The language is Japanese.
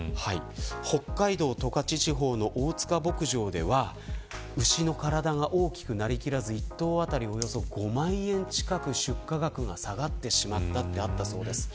北海道・十勝地方の大塚牧場では牛の体が大きくなりきらず１頭当たりおよそ５万円近く出荷額が下がってしまったそうです。